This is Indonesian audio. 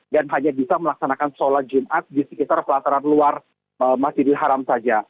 dan hanya bisa melaksanakan sholat jumat di sekitar pelataran luar masjidil haram saja